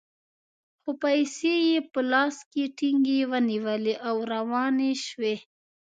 خو پیسې یې په لاس کې ټینګې ونیولې او روانې شوې.